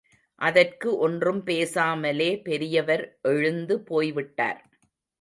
அதற்கு ஒன்றும் பேசாமலே பெரியவர் எழுந்து போய்விட்டார்.